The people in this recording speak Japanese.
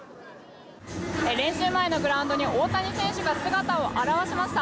練習前のグラウンドに大谷選手が姿を現しました。